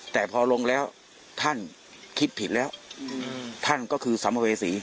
แต่พอลงแล้วท่านคิดผิดแล้วท่านก็คือสัมภเวษี